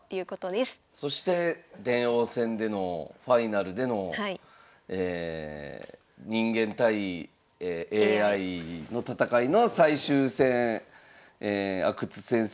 そして電王戦でのファイナルでの人間対ＡＩの戦いの最終戦阿久津先生